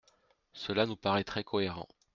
Cela nous paraîtrait cohérent.